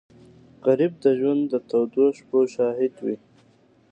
غریب د ژوند د تودو شپو شاهد وي